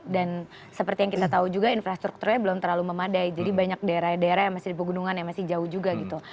dan seperti yang kita tahu juga infrastrukturnya belum terlalu memadai jadi banyak daerah daerah yang masih di pegunungan yang masih jauh juga gitu